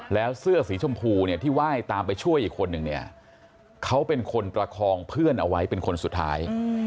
แล้วเสื้อสีชมพูเนี่ยที่ไหว้ตามไปช่วยอีกคนนึงเนี่ยเขาเป็นคนประคองเพื่อนเอาไว้เป็นคนสุดท้าย